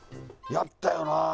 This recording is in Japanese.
やったよな。